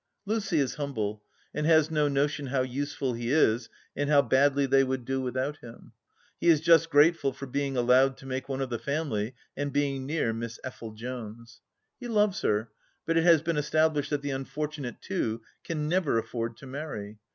Lucy is humble, and has no notion how useful he is and how badly they would do without him. He is just grateful for being allowed to make one of the family and being near Miss Effel Jones. He loves her, but it has been established that the unfortunate two can never afford to marry.